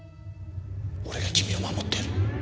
俺が君を守ってやる。